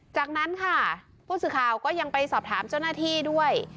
จากนั้นค่ะผู้สื่อข่าวก็ยังไปสอบถามเจ้าหน้าที่ด้วย